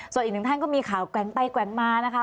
ส่วนอีกหนึ่งท่านก็มีข่าวแกว่งไปแกว่งมานะคะ